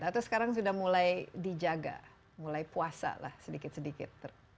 atau sekarang sudah mulai dijaga mulai puasa lah sedikit sedikit